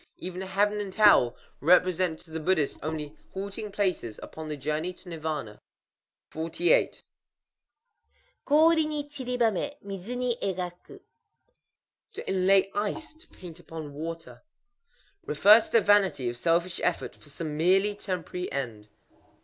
Even Heaven and Hell represent to the Buddhist only halting places upon the journey to Nirvâna. 48.—Kori wo chiribamé; midzu ni égaku. To inlay ice; to paint upon water. Refers to the vanity of selfish effort for some merely temporary end.